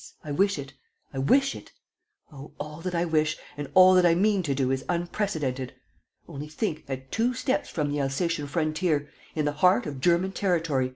I wish it. ... I wish it. ... Oh, all that I wish and all that I mean to do is unprecedented! ... Only think, at two steps from the Alsatian frontier! In the heart of German territory!